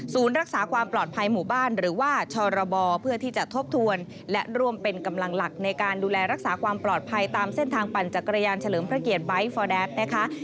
รักษาความปลอดภัยหมู่บ้านหรือว่าชรบเพื่อที่จะทบทวนและร่วมเป็นกำลังหลักในการดูแลรักษาความปลอดภัยตามเส้นทางปั่นจักรยานเฉลิมพระเกียรติไบท์ฟอร์แดดนะคะ